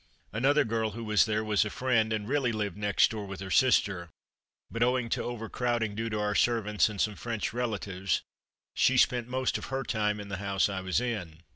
Another girl who was there was a friend, and really lived next door with her sister, but owing to overcrowding, due to our servants and some French relatives, she spent most of her time in the house I was in.